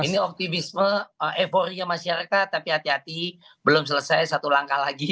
ini optimisme euforia masyarakat tapi hati hati belum selesai satu langkah lagi